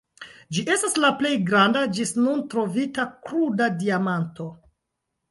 Ĝi estas la plej granda ĝis nun trovita kruda diamanto.